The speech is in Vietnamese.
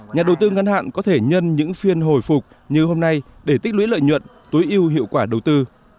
nhà đầu tư ngân hạn có thể nhân những phiên hồi phục như hôm nay để tích lũy lợi nhuận tối ưu hiệu quả đầu tư